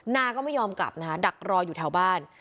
นาก็ไม่ยอมกลับนะคะดักรออยู่แถวบ้าน